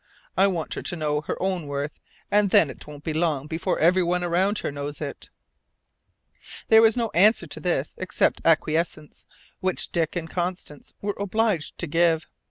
I want her to know her own worth, and then it won't be long before everyone around her knows it." There was no answer to this except acquiescence, which Dick and Constance were obliged to give.